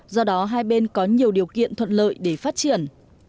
do đó hai bên có nhiều điều kiện thuận lợi để phát triển